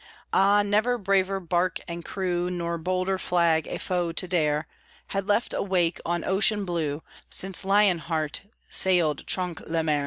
Ah, never braver bark and crew, Nor bolder Flag a foe to dare, Had left a wake on ocean blue Since Lion Heart sailed Trenc le mer!